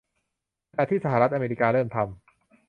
ขณะที่สหรัฐอเมริกาเริ่มทำ